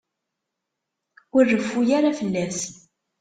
Ur reffu ara fell-as.